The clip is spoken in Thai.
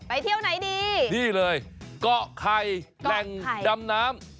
เที่ยวไหนดีนี่เลยเกาะไข่แหล่งดำน้ำ